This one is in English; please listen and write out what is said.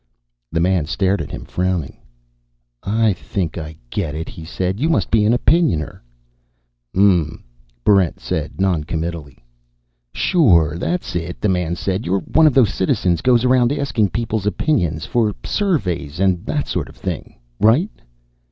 The man stared at him, frowning. "I think I get it," he said. "You must be an Opinioner." "Mmm," Barrent said, noncommittally. "Sure, that's it," the man said. "You're one of those citizens goes around asking people's opinions. For surveys and that sort of thing. Right?"